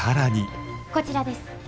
こちらです。